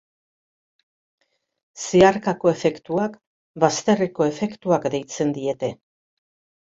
Zeharkako efektuak, bazterreko efektuak, deitzen diete.